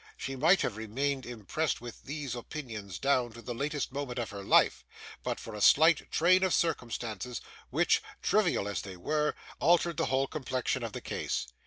She might have remained impressed with these opinions down to the latest moment of her life, but for a slight train of circumstances, which, trivial as they were, altered the whole complexion of the case.